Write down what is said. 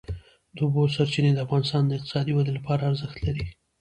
د اوبو سرچینې د افغانستان د اقتصادي ودې لپاره ارزښت لري.